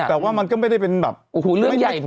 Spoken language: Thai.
แต่ว่ามันก็ไม่ได้เป็นเรื่องใหญ่